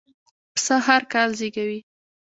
پسه هرکال زېږوي.